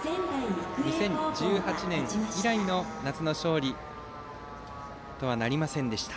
２０１８年以来の夏の勝利とはなりませんでした